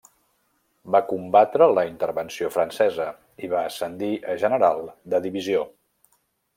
Va combatre la Intervenció Francesa i va ascendir a General de Divisió.